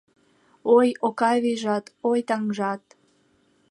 Ой, Окавийжат, ой, таҥжат!